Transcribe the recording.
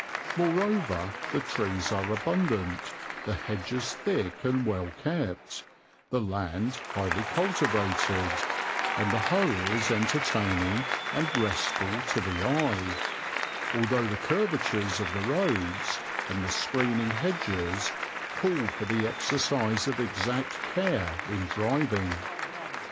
Moreover the trees are abundant, the hedges thick and well kept, the land highly cultivated, and the whole is entertaining and restful to the eye, although the curvatures of the roads and the screening hedges call for the exercise of exact care in driving.